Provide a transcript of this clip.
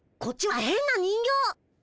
こっちはへんな人形。